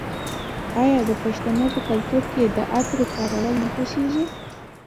آیا د پښتنو په کلتور کې د عطرو کارول نه خوښیږي؟